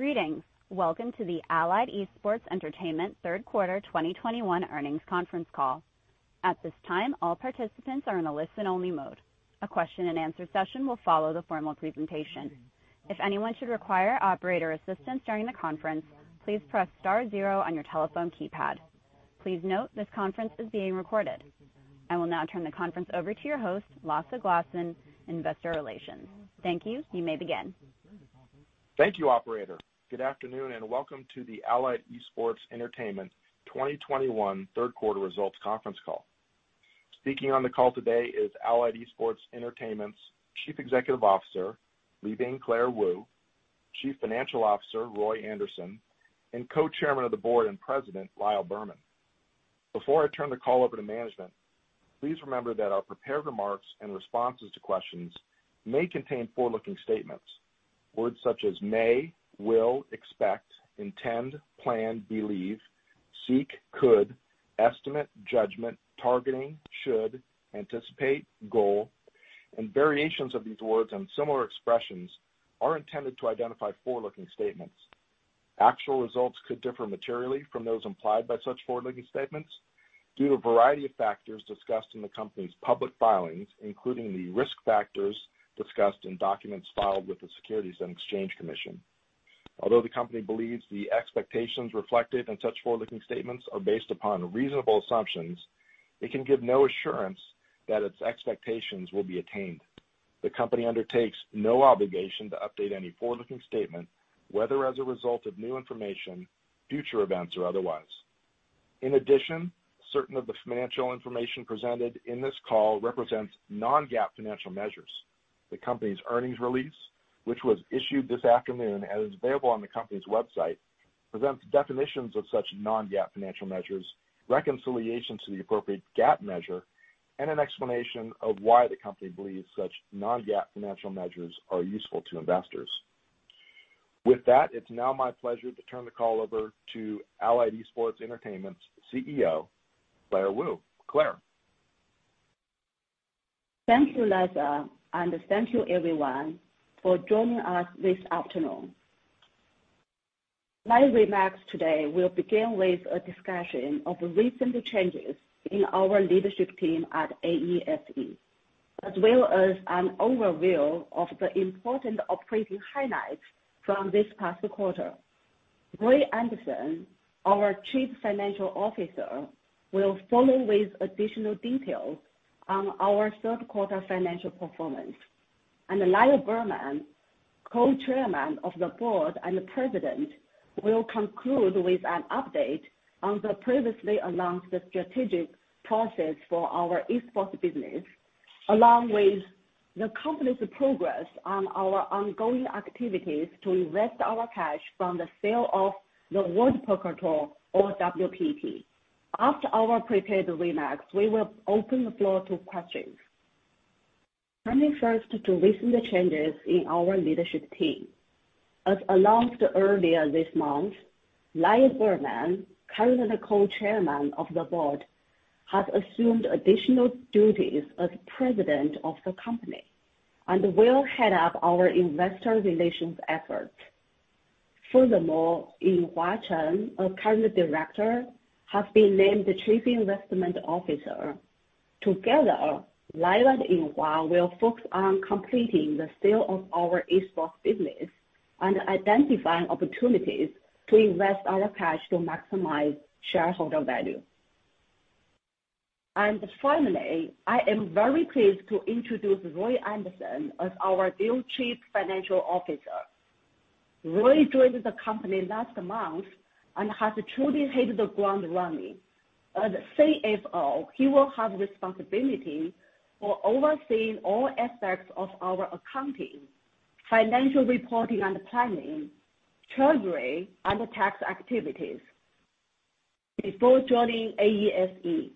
Greetings. Welcome to the Allied Esports Entertainment third quarter 2021 earnings conference call. At this time, all participants are in a listen-only mode. A question-and-answer session will follow the formal presentation. If anyone should require operator assistance during the conference, please press star zero on your telephone keypad. Please note this conference is being recorded. I will now turn the conference over to your host, Lasse Glassen, Investor Relations. Thank you. You may begin. Thank you, operator. Good afternoon, and welcome to the Allied Esports Entertainment 2021 third quarter results conference call. Speaking on the call today is Allied Esports Entertainment's Chief Executive Officer, Libing (Claire) Wu, Chief Financial Officer, Roy Anderson, and Co-chairman of the Board and President, Lyle Berman. Before I turn the call over to management, please remember that our prepared remarks and responses to questions may contain forward-looking statements. Words such as may, will, expect, intend, plan, believe, seek, could, estimate, judgment, targeting, should, anticipate, goal, and variations of these words and similar expressions are intended to identify forward-looking statements. Actual results could differ materially from those implied by such forward-looking statements due to a variety of factors discussed in the company's public filings, including the risk factors discussed in documents filed with the Securities and Exchange Commission. Although the company believes the expectations reflected in such forward-looking statements are based upon reasonable assumptions, it can give no assurance that its expectations will be attained. The company undertakes no obligation to update any forward-looking statement, whether as a result of new information, future events, or otherwise. In addition, certain of the financial information presented in this call represents non-GAAP financial measures. The company's earnings release, which was issued this afternoon and is available on the company's website, presents definitions of such non-GAAP financial measures, reconciliation to the appropriate GAAP measure, and an explanation of why the company believes such non-GAAP financial measures are useful to investors. With that, it's now my pleasure to turn the call over Allied Esports Entertainment's CEO, Claire Wu. Claire. Thank you, Lasse, and thank you, everyone, for joining us this afternoon. My remarks today will begin with a discussion of recent changes in our leadership team at AESE, as well as an overview of the important operating highlights from this past quarter. Roy Anderson, our Chief Financial Officer, will follow with additional details on our third quarter financial performance. Lyle Berman, Co-chairman of the Board and President, will conclude with an update on the previously announced strategic process for our Esports business, along with the company's progress on our ongoing activities to invest our cash from the sale of the World Poker Tour or WPT. After our prepared remarks, we will open the floor to questions. Turning first to recent changes in our leadership team. As announced earlier this month, Lyle Berman, current Co-Chairman of the Board, has assumed additional duties as President of the company and will head up our investor relations efforts. Furthermore, Yinghua Chen, a current director, has been named the Chief Investment Officer. Together, Lyle and Yinghua will focus on completing the sale of our esports business and identifying opportunities to invest our cash to maximize shareholder value. Finally, I am very pleased to introduce Roy Anderson as our new Chief Financial Officer. Roy joined the company last month and has truly hit the ground running. As CFO, he will have responsibility for overseeing all aspects of our accounting, financial reporting and planning, treasury, and tax activities. Before joining AESE,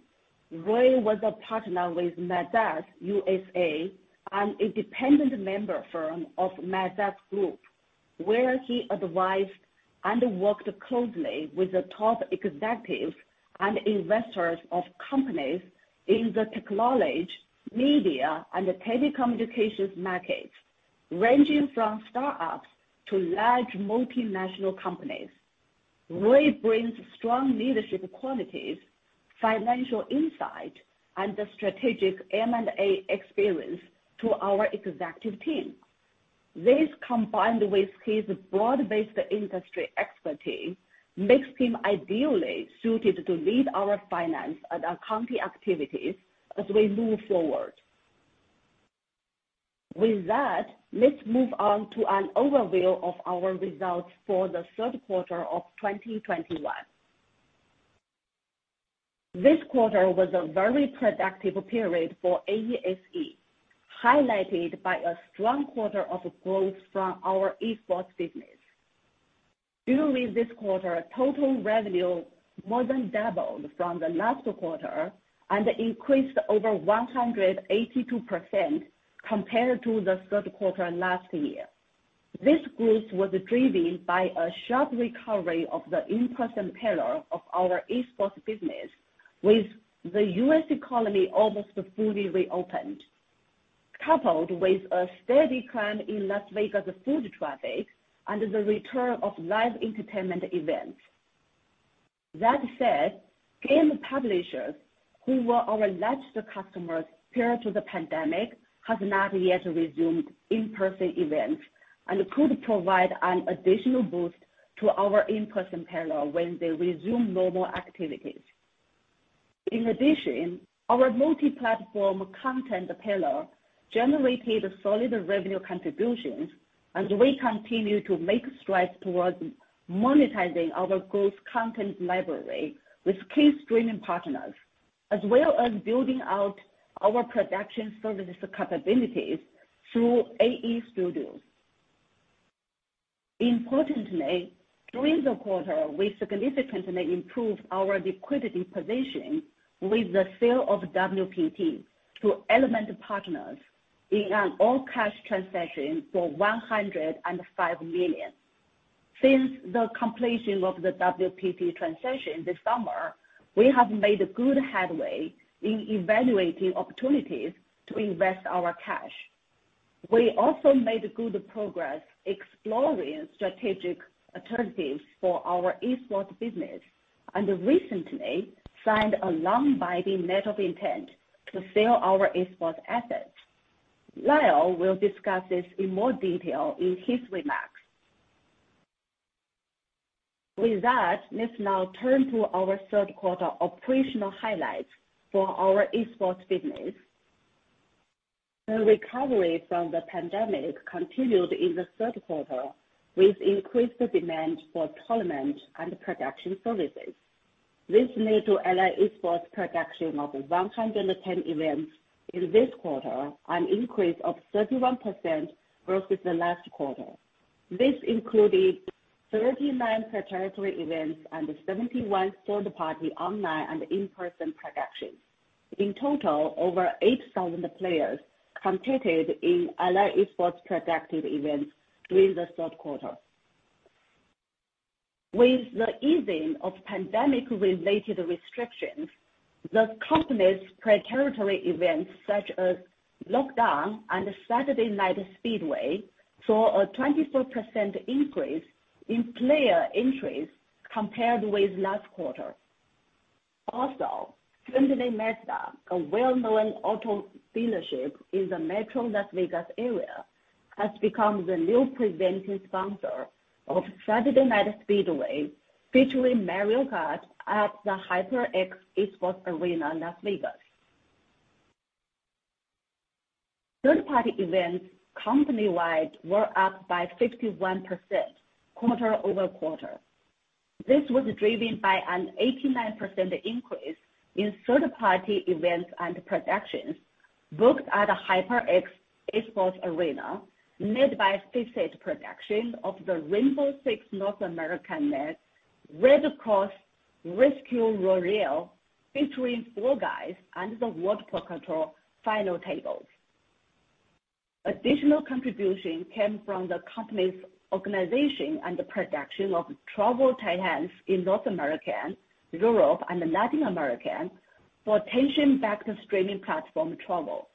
Roy was a partner with Mazars USA, an independent member firm of Mazars Group, where he advised and worked closely with the top executives and investors of companies in the technology, media, and telecommunications markets, ranging from start-ups to large multinational companies. Roy brings strong leadership qualities, financial insight, and strategic M&A experience to our executive team. This, combined with his broad-based industry expertise, makes him ideally suited to lead our finance and accounting activities as we move forward. With that, let's move on to an overview of our results for the third quarter of 2021. This quarter was a very productive period for AESE, highlighted by a strong quarter of growth from our Esports business. During this quarter, total revenue more than doubled from the last quarter and increased over 182% compared to the third quarter last year. This growth was driven by a sharp recovery of the in-person pillar of our esports business. With the U.S. economy almost fully reopened, coupled with a steady climb in Las Vegas foot traffic and the return of live entertainment events. That said, game publishers who were our largest customers prior to the pandemic have not yet resumed in-person events and could provide an additional boost to our in-person pillar when they resume normal activities. In addition, our multi-platform content pillar generated solid revenue contributions as we continue to make strides towards monetizing our grown content library with key streaming partners, as well as building out our production services capabilities through AE Studios. Importantly, during the quarter, we significantly improved our liquidity position with the sale of WPT to Element Partners in an all-cash transaction for $105 million. Since the completion of the WPT transaction this summer, we have made good headway in evaluating opportunities to invest our cash. We also made good progress exploring strategic alternatives for our esports business, and recently signed a non-binding letter of intent to sell our esports assets. Lyle will discuss this in more detail in his remarks. With that, let's now turn to our third quarter operational highlights for our esports business. The recovery from the pandemic continued in the third quarter with increased demand for tournament and production services. This led to Allied Esports production of 110 events in this quarter, an increase of 31% versus the last quarter. This included 39 proprietary events and 71 third-party online and in-person productions. In total, over 8,000 players competed in Allied Esports-produced events during the third quarter. With the easing of pandemic-related restrictions, the company's proprietary events such as Lockdown and Saturday Night Speedway saw a 24% increase in player entries compared with last quarter. Findlay Mazda, a well-known auto dealership in the Metro Las Vegas area, has become the new presenting sponsor of Saturday Night Speedway, featuring Mario Kart at the HyperX Esports Arena, Las Vegas. Third-party events company-wide were up by 51% quarter-over-quarter. This was driven by an 89% increase in third-party events and productions booked at the HyperX Esports Arena, led by specific productions of the Rainbow Six North American League, Red Cross Rescue Royale featuring Fall Guys, and the World Poker Tour Final Tables. Additional contribution came from the company's organization and the production of Trovo tie-ins in North America, Europe, and Latin America for Tencent-backed streaming platform Trovo.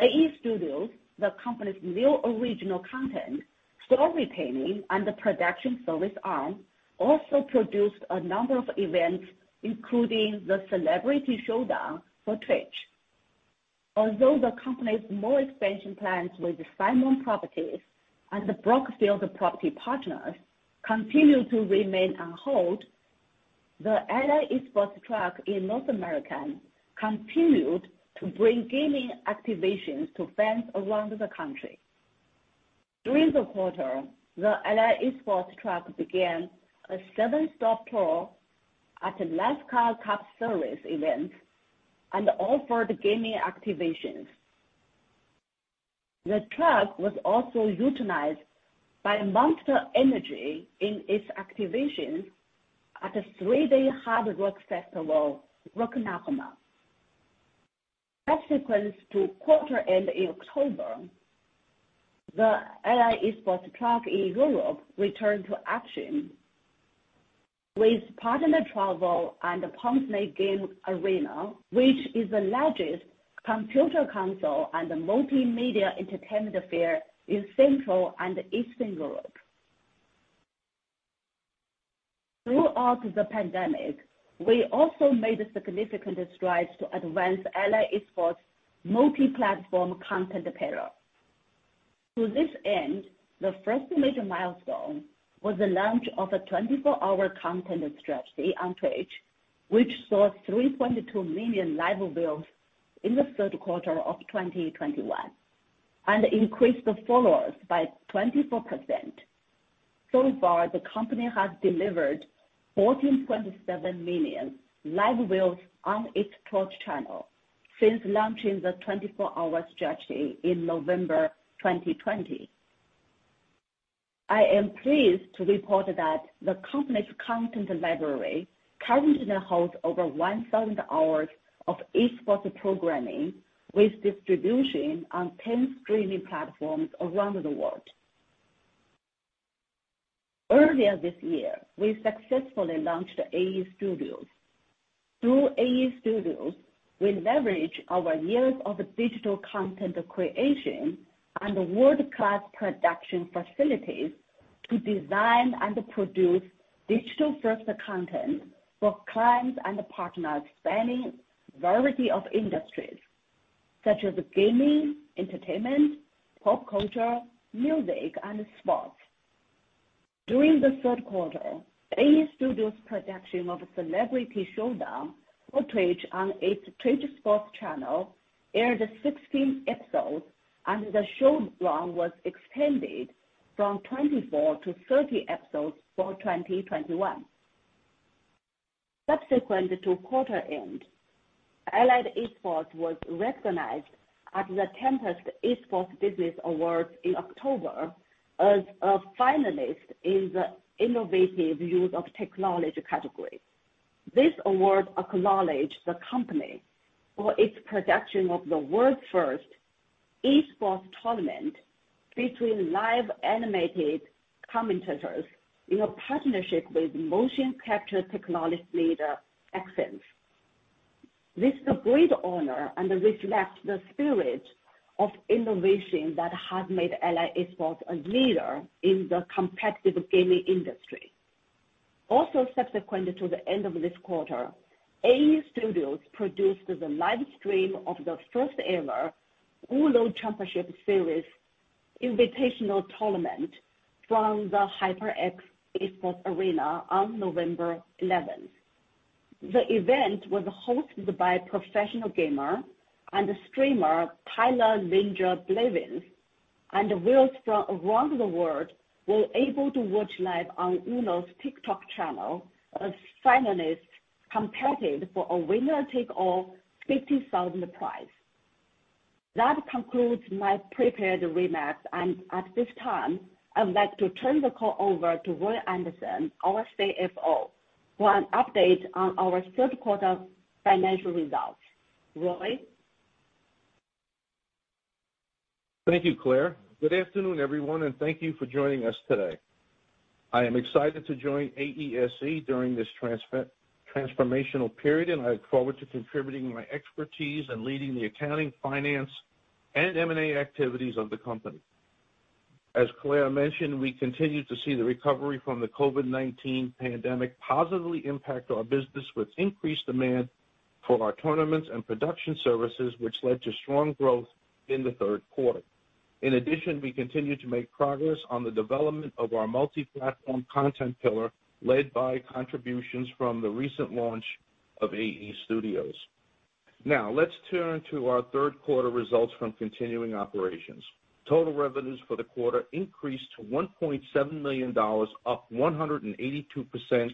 AE Studios, the company's new original content storytelling and the production service arm, also produced a number of events, including the Celebrity Showdown for Twitch. Although the company's mall expansion plans with Simon Property Group and the Brookfield Property Partners continue to remain on hold, the Allied Esports truck in North America continued to bring gaming activations to fans around the country. During the quarter, the Allied Esports truck began a seven-stop tour at the NASCAR Cup Series event and offered gaming activations. The truck was also utilized by Monster Energy in its activation at the three-day Hard Summer Music Festival, Rock al Parque. Subsequent to quarter end in October, the Allied Esports truck in Europe returned to action with partner Trovo and the Poznań Game Arena, which is the largest computer console and multimedia entertainment fair in Central and Eastern Europe. Throughout the pandemic, we also made significant strides to advance Allied Esports' multi-platform content and apparel. To this end, the first major milestone was the launch of a 24-hour content strategy on Twitch, which saw 3.2 million live views in the third quarter of 2021, and increased the followers by 24%. So far, the company has delivered 14.7 million live views on its Twitch channel since launching the 24-hour strategy in November 2020. I am pleased to report that the company's content library currently holds over 1,000 hours of esports programming with distribution on 10 streaming platforms around the world. Earlier this year, we successfully launched AE Studios. Through AE Studios, we leverage our years of digital content creation and world-class production facilities to design and produce digital-first content for clients and partners spanning a variety of industries such as gaming, entertainment, pop culture, music, and sports. During the third quarter, AE Studios' production of Celebrity Showdown footage on its TwitchSports channel aired 16 episodes, and the show's run was extended from 24 to 30 episodes for 2021. Subsequent to quarter end, Allied Esports was recognized at the Tempest Awards in October as a finalist in the innovative use of technology category. This award acknowledged the company for its production of the world's first esports tournament between live animated commentators in a partnership with motion capture technology leader Xsens. This is a great honor and reflects the spirit of innovation that has made Allied Esports a leader in the competitive gaming industry. Also subsequent to the end of this quarter, AE Studios produced the live stream of the first-ever UNO Championship Series Invitational Tournament from the HyperX Esports Arena on November eleventh. The event was hosted by professional gamer and streamer Tyler "Ninja" Blevins, and viewers from around the world were able to watch live on UNO's TikTok channel as finalists competed for a winner-take-all $50,000 prize. That concludes my prepared remarks, and at this time, I would like to turn the call over to Roy Anderson, our CFO, for an update on our third quarter financial results. Roy? Thank you, Claire. Good afternoon, everyone, and thank you for joining us today. I am excited to join AESC during this transformational period, and I look forward to contributing my expertise and leading the accounting, finance, and M&A activities of the company. As Claire mentioned, we continue to see the recovery from the COVID-19 pandemic positively impact our business with increased demand for our tournaments and production services, which led to strong growth in the third quarter. In addition, we continue to make progress on the development of our multi-platform content pillar, led by contributions from the recent launch of AE Studios. Now, let's turn to our third quarter results from continuing operations. Total revenues for the quarter increased to $1.7 million, up 182%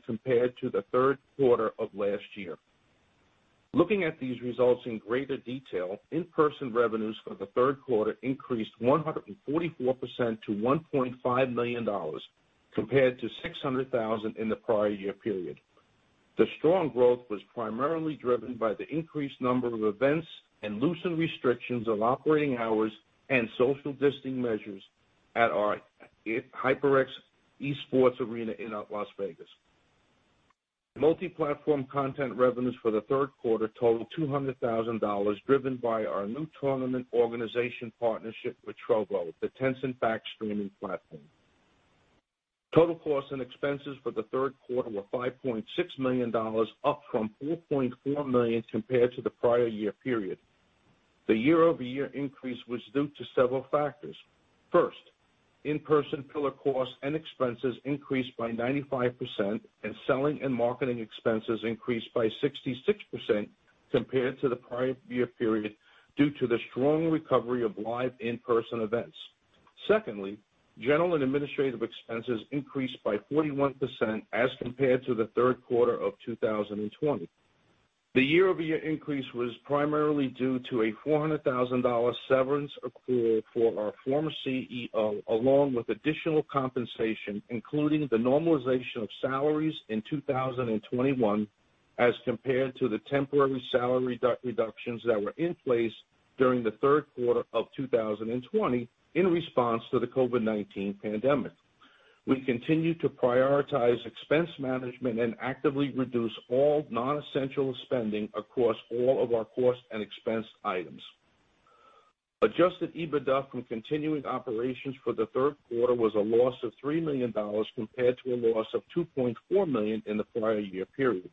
compared to the third quarter of last year. Looking at these results in greater detail, in-person revenues for the third quarter increased 144% to $1.5 million, compared to $600,000 in the prior year period. The strong growth was primarily driven by the increased number of events and loosened restrictions on operating hours and social distancing measures at our HyperX Esports Arena in Las Vegas. Multi-platform content revenues for the third quarter totaled $200,000, driven by our new tournament organization partnership with Trovo, the Tencent-backed streaming platform. Total costs and expenses for the third quarter were $5.6 million, up from $4.4 million compared to the prior year period. The year-over-year increase was due to several factors. First, in-person pillar costs and expenses increased by 95%, and selling and marketing expenses increased by 66% compared to the prior year period due to the strong recovery of live in-person events. Secondly, general and administrative expenses increased by 41% as compared to the third quarter of 2020. The year-over-year increase was primarily due to a $400,000 severance accrued for our former CEO, along with additional compensation, including the normalization of salaries in 2021 as compared to the temporary salary reductions that were in place during the third quarter of 2020 in response to the COVID-19 pandemic. We continue to prioritize expense management and actively reduce all non-essential spending across all of our cost and expense items. Adjusted EBITDA from continuing operations for the third quarter was a loss of $3 million compared to a loss of $2.4 million in the prior year period.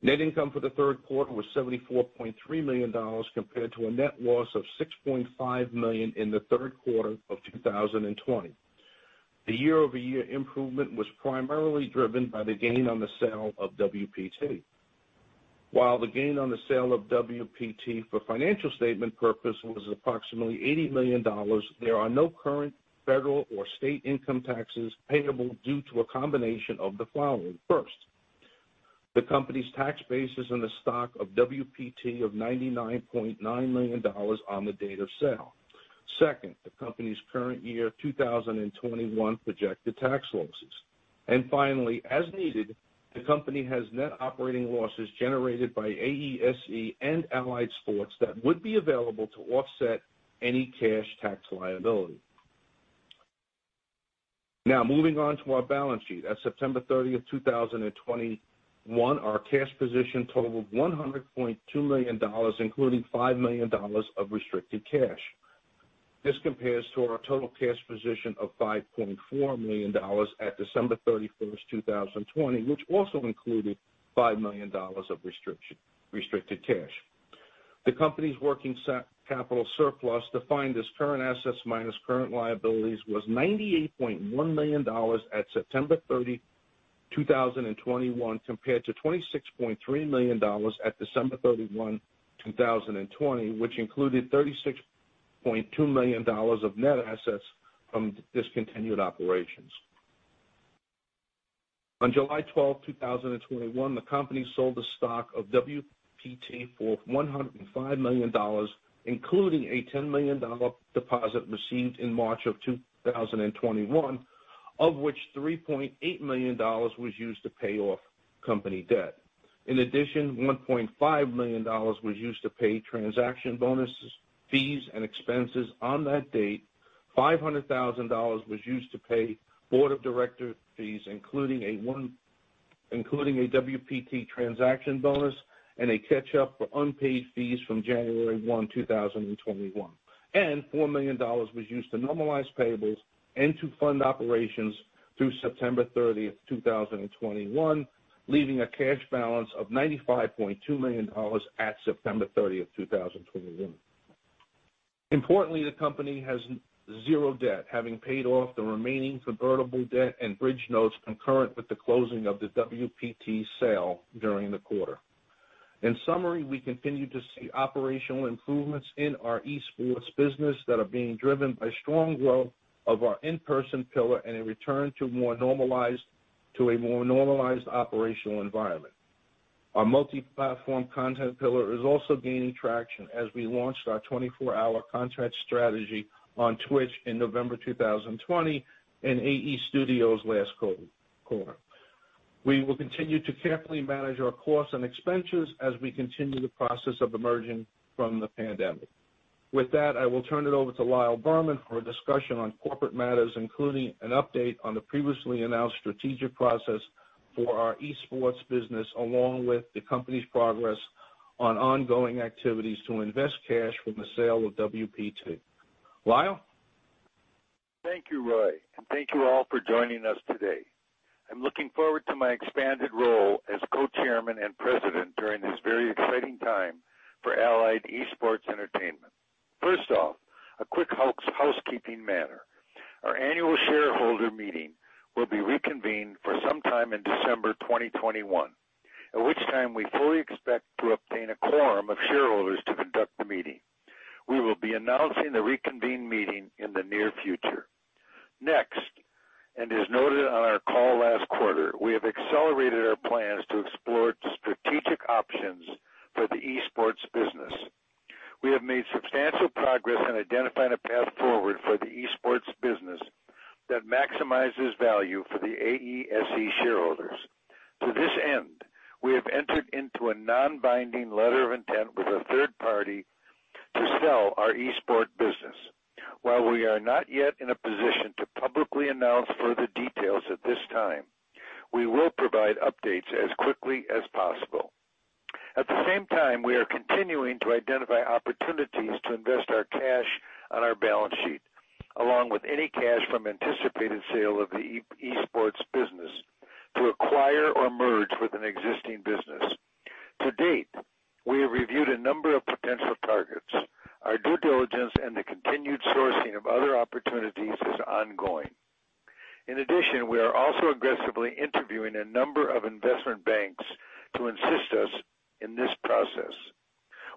Net income for the third quarter was $74.3 million compared to a net loss of $6.5 million in the third quarter of 2020. The year-over-year improvement was primarily driven by the gain on the sale of WPT. While the gain on the sale of WPT for financial statement purpose was approximately $80 million, there are no current federal or state income taxes payable due to a combination of the following. First, the company's tax basis on the stock of WPT of $99.9 million on the date of sale. Second, the company's current year 2021 projected tax losses. Finally, as needed, the company has net operating losses generated by AESE and Allied Esports that would be available to offset any cash tax liability. Now moving on to our balance sheet. At September 30th, 2021, our cash position totaled $100.2 million, including $5 million of restricted cash. This compares to our total cash position of $5.4 million at December 31st, 2020, which also included $5 million of restricted cash. The company's working capital surplus, defined as current assets minus current liabilities, was $98.1 million at September 30, 2021, compared to $26.3 million at December 31, 2020, which included $36.2 million of net assets from discontinued operations. On July 12, 2021, the company sold the stock of WPT for $105 million, including a $10 million deposit received in March 2021, of which $3.8 million was used to pay off company debt. In addition, $1.5 million was used to pay transaction bonuses, fees, and expenses on that date. $500,000 was used to pay board of director fees, including a WPT transaction bonus and a catch-up for unpaid fees from January 1, 2021. $4 million was used to normalize payables and to fund operations through September 30, 2021, leaving a cash balance of $95.2 million at September 30, 2021. Importantly, the company has zero debt, having paid off the remaining convertible debt and bridge notes concurrent with the closing of the WPT sale during the quarter. In summary, we continue to see operational improvements in our esports business that are being driven by strong growth of our in-person pillar and a return to a more normalized operational environment. Our multi-platform content pillar is also gaining traction as we launched our 24-hour content strategy on Twitch in November 2020 and AE Studios last quarter. We will continue to carefully manage our costs and expenses as we continue the process of emerging from the pandemic. With that, I will turn it over to Lyle Berman for a discussion on corporate matters, including an update on the previously announced strategic process for our esports business, along with the company's progress on ongoing activities to invest cash from the sale of WPT. Lyle? Thank you, Roy, and thank you all for joining us today. I'm looking forward to my expanded role as Co-Chairman and President during this very exciting time for Allied Esports Entertainment. First off, a quick housekeeping matter. Our annual shareholder meeting will be reconvened for sometime in December 2021, at which time we fully expect to obtain a quorum of shareholders to conduct the meeting. We will be announcing the reconvened meeting in the near future. Next, as noted on our call last quarter, we have accelerated our plans to explore strategic options for the esports business. We have made substantial progress in identifying a path forward for the esports business that maximizes value for the AESE shareholders. To this end, we have entered into a non-binding letter of intent with a third party to sell our esports business. While we are not yet in a position to publicly announce further details at this time, we will provide updates as quickly as possible. At the same time, we are continuing to identify opportunities to invest our cash on our balance sheet, along with any cash from anticipated sale of the esports business, to acquire or merge with an existing business. To date, we have reviewed a number of potential targets. Our due diligence and the continued sourcing of other opportunities is ongoing. In addition, we are also aggressively interviewing a number of investment banks to assist us in this process.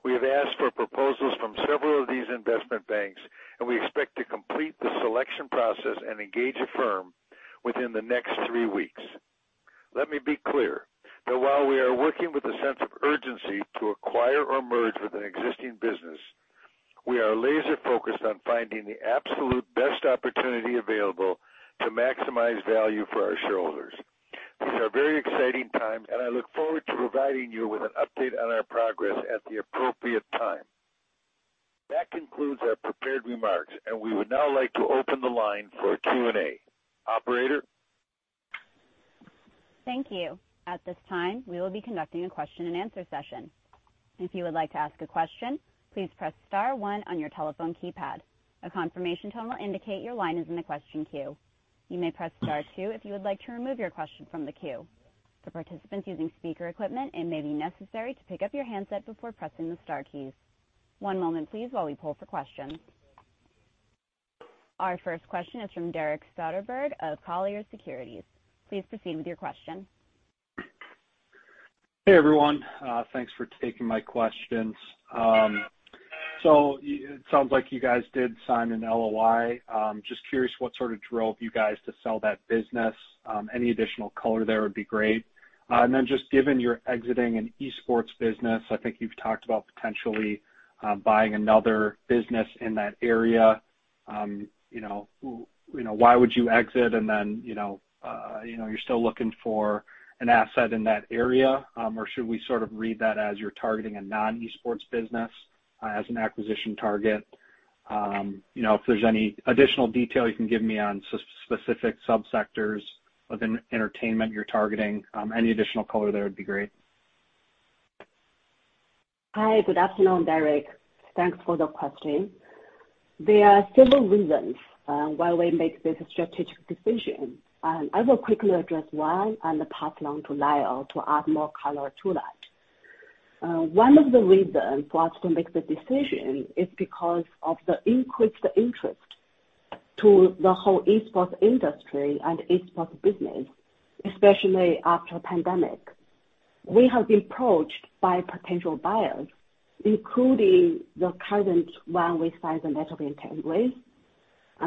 We have asked for proposals from several of these investment banks, and we expect to complete the selection process and engage a firm within the next three weeks. Let me be clear that while we are working with a sense of urgency to acquire or merge with an existing business, we are laser-focused on finding the absolute best opportunity available to maximize value for our shareholders. These are very exciting times, and I look forward to providing you with an update on our progress at the appropriate time. That concludes our prepared remarks, and we would now like to open the line for Q&A. Operator? Thank you. At this time, we will be conducting a question-and-answer session. If you would like to ask a question, please press star one on your telephone keypad. A confirmation tone will indicate your line is in the question queue. You may press star two if you would like to remove your question from the queue. For participants using speaker equipment, it may be necessary to pick up your handset before pressing the star keys. One moment, please, while we poll for questions. Our first question is from Derek Soderberg of Colliers Securities. Please proceed with your question. Hey, everyone. Thanks for taking my questions. It sounds like you guys did sign an LOI. Just curious what sort of drove you guys to sell that business. Any additional color there would be great. Just given your exiting an esports business, I think you've talked about potentially buying another business in that area. You know, why would you exit and then you know you're still looking for an asset in that area, or should we sort of read that as you're targeting a non-esports business as an acquisition target? You know, if there's any additional detail you can give me on specific subsectors of entertainment you're targeting, any additional color there would be great. Hi. Good afternoon, Derek. Thanks for the question. There are several reasons why we make this strategic decision. I will quickly address why and pass along to Lyle to add more color to that. One of the reasons for us to make the decision is because of the increased interest to the whole esports industry and esports business, especially after pandemic. We have been approached by potential buyers, including the current one we signed an LOI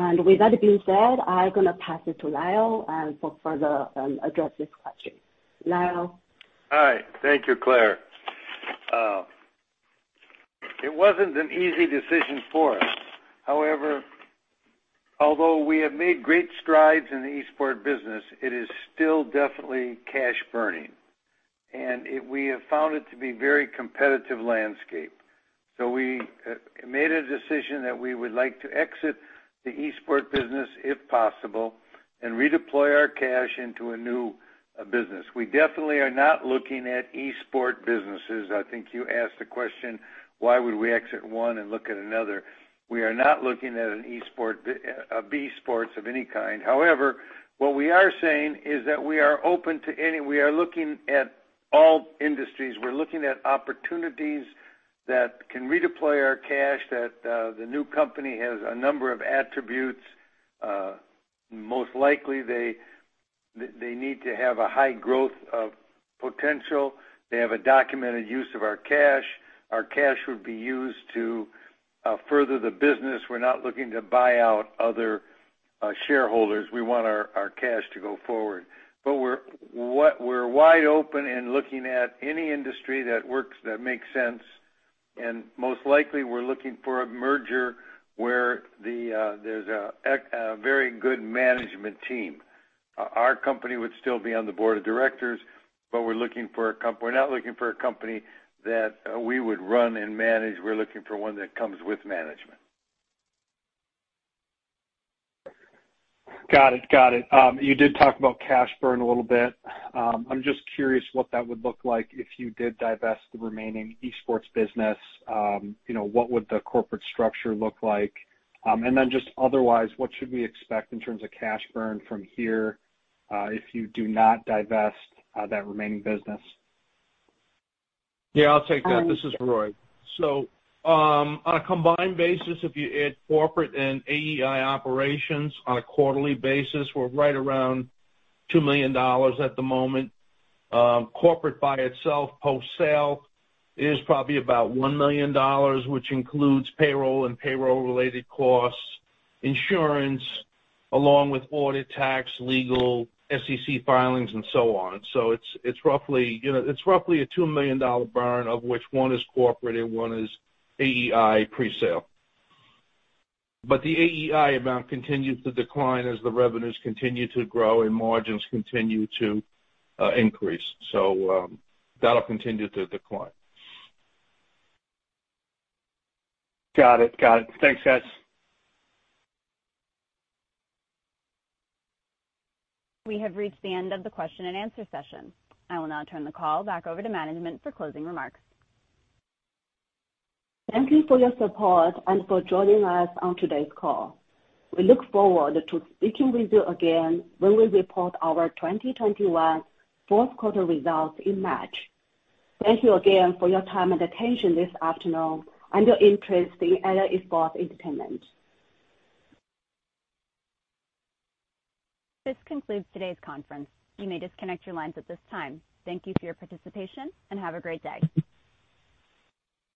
with. With that being said, I'm gonna pass it to Lyle for further address this question. Lyle? All right. Thank you, Claire. It wasn't an easy decision for us. However, although we have made great strides in the esports business, it is still definitely cash burning. We have found it to be very competitive landscape. We made a decision that we would like to exit the esports business if possible and redeploy our cash into a new business. We definitely are not looking at esports businesses. I think you asked the question, why would we exit one and look at another? We are not looking at esports of any kind. However, what we are saying is that we are looking at all industries. We're looking at opportunities that can redeploy our cash, that the new company has a number of attributes. Most likely, they need to have a high growth of potential. They have a documented use of our cash. Our cash would be used to further the business. We're not looking to buy out other shareholders. We want our cash to go forward. But what we're wide open in looking at any industry that works, that makes sense, and most likely, we're looking for a merger where there's a very good management team. Our company would still be on the board of directors, but we're not looking for a company that we would run and manage. We're looking for one that comes with management. Got it. You did talk about cash burn a little bit. I'm just curious what that would look like if you did divest the remaining esports business. You know, what would the corporate structure look like? And then just otherwise, what should we expect in terms of cash burn from here, if you do not divest that remaining business? Yeah, I'll take that. Um. This is Roy. On a combined basis, if you add corporate and AEI operations on a quarterly basis, we're right around $2 million at the moment. Corporate by itself, post-sale is probably about $1 million, which includes payroll and payroll-related costs, insurance, along with audit, tax, legal, SEC filings and so on. It's roughly, you know, a $2 million burn of which one is corporate and one is AEI pre-sale. The AEI amount continues to decline as the revenues continue to grow and margins continue to increase. That'll continue to decline. Got it. Thanks, guys. We have reached the end of the question and answer session. I will now turn the call back over to management for closing remarks. Thank you for your support and for joining us on today's call. We look forward to speaking with you again when we report our 2021 fourth quarter results in March. Thank you again for your time and attention this afternoon and your interest in Allied Esports Entertainment. This concludes today's conference. You may disconnect your lines at this time. Thank you for your participation, and have a great day.